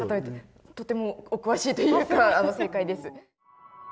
とてもお詳しいというか正解です。